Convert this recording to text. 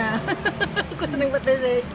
aku seneng petisnya